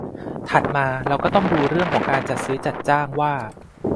ถัดมาเราก็ต้องมาดูเรื่องของการจัดซื้อจัดจ้างว่า